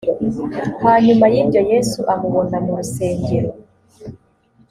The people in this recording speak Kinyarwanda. hanyuma y ibyo yesu amubona mu rusengero